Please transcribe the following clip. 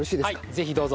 ぜひどうぞ。